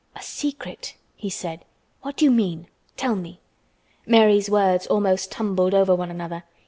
"A secret," he said. "What do you mean? Tell me." Mary's words almost tumbled over one another.